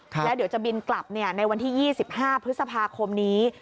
แล้วเดี๋ยวจะบินกลับในวันที่๒๕พฤษภาคมนี้